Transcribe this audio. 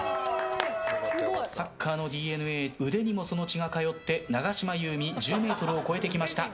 サッカーのＤＮＡ腕にもその血が通って永島優美１０ｍを超えてきました。